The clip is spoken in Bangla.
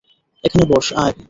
এখানে বস, আয়!